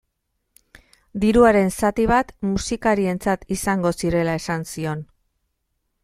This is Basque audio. Diruaren zati bat musikarientzat izango zirela esan zion.